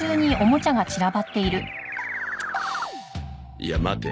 いや待て。